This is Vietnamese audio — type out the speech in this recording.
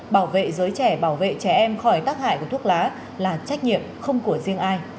bảo vệ giới trẻ bảo vệ trẻ em khỏi tác hại của thuốc lá là trách nhiệm không của riêng ai